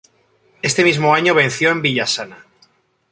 Ese mismo año venció en Villasana.